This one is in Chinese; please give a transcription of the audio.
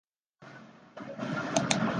鹤见小野站鹤见线的铁路车站。